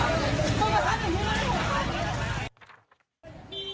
มาเมฎื